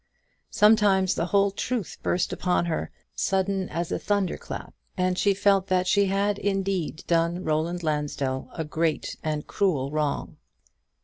Sometimes the whole truth burst upon her, sudden as a thunder clap, and she felt that she had indeed done Roland Lansdell a great and cruel wrong.